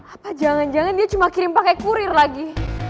apa jangan jangan dia cuma kirim pakai kurir lagi